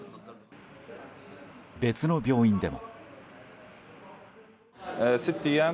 別の病院でも。